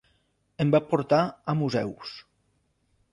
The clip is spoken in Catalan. Em va portar a museus.